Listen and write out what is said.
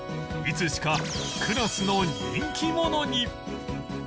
いつしかクラスの人気者に！